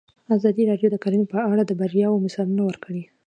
ازادي راډیو د کرهنه په اړه د بریاوو مثالونه ورکړي.